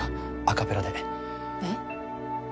アカペラでえっ？